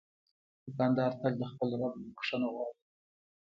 دوکاندار تل د خپل رب نه بخښنه غواړي.